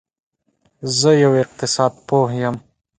زه یو اقتصاد پوه یم